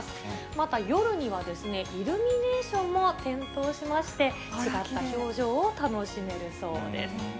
また夜には、イルミネーションも点灯しまして、違った表情を楽しめるそうです。